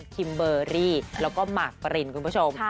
คิมเบอร์รี่แล้วก็หมากปรินคุณผู้ชม